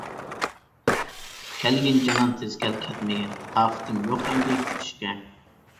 كەلگىن جانان تىز كەل كەتمىگىن، تاقىتىم يوق ئەمدى كۈتۈشكە.